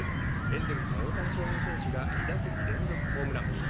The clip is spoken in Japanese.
エンゼルスの大谷翔平選手が２打席連続ホームラン。